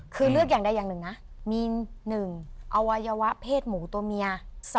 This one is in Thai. คือเลือกอย่างใดอย่างหนึ่งนะมี๑อวัยวะเพศหมูตัวเมีย